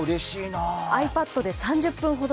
ｉＰａｄで３０分ほど。